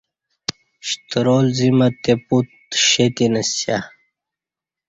شترال زیم اتے پوت شہ تینسیہ